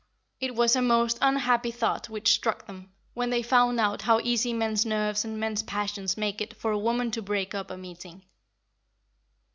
(It was a most unhappy thought which struck them, when they found out how easy men's nerves and men's passions make it for a woman to break up a meeting.)